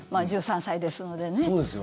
１３歳ですのでね。